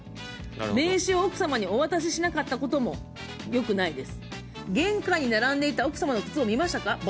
名刺を奥様にお渡ししなかったこともよくないです。